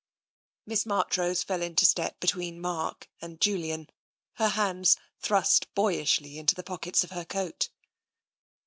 Miss Marchrose fell into step between Mark and Julian, her hands thrust boyishly into the pockets of her coat.